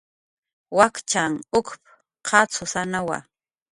"Wakchanh ukp"" qatzusanawa"